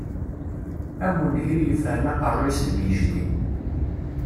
Am unhil yeffren aqerruy-is deg yijdi.